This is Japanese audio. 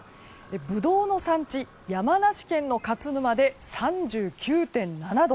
ブドウの産地、山梨県の勝沼で３９．７度。